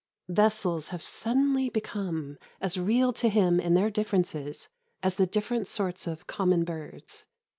Vessels have suddenly become as real to him in their differences as the different sorts of common birds.